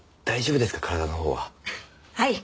はい。